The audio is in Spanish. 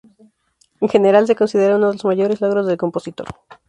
En general se considera uno de los mayores logros del compositor.